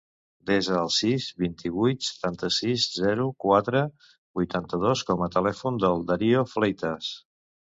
Desa el sis, vint-i-vuit, setanta-sis, zero, quatre, vuitanta-dos com a telèfon del Dario Fleitas.